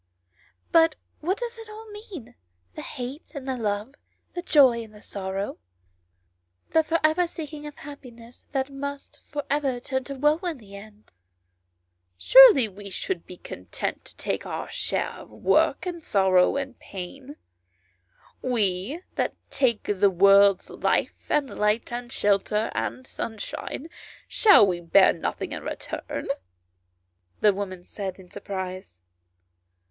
But what does it all mean the hate and the love, the joy and sorrow, the for ever seeking for happiness that must for ever turn to woe in the end ?"" Surely we should be content to take our share of work, and sorrow, and pain ; we that take the world's life, and light, and shelter, and sunshine, shall we bear nothing in return ?" the woman said in surprise.